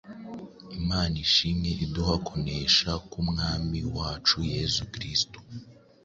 imana ishimwe iduha kunesha kubw’umwami wacu yesu kristo”.